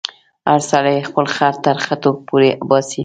هر سړی خپل خر تر خټو پورې باسې.